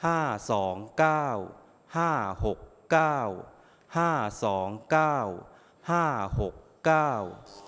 ห้าสองเก้าห้าหกเก้าห้าสองเก้าห้าหกเก้า